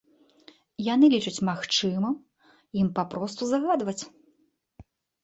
Яны лічаць магчымым ім папросту загадваць.